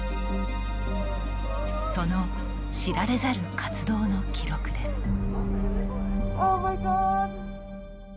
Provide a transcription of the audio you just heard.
その知られざる活動の記録です。